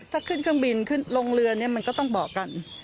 ถ้าขึ้นเชียงบินโรงเรือนี่ก็จะต้องบอกกัน